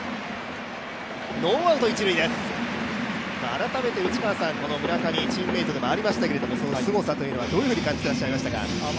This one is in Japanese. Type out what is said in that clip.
改めて内川さん、村上、チームメイトでもありましたけれども、そのすごさというのは、どういうふうに感じてらっしゃいました？